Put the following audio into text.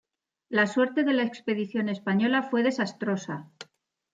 La suerte de la expedición española fue desastrosa.